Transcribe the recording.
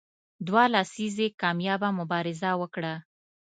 دوه لسیزې کامیابه مبارزه وکړه.